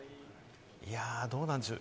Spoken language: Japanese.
どうなんでしょう？